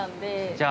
じゃあ。